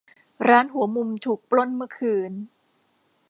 ร้านหัวมุมถูกปล้นเมื่อคืน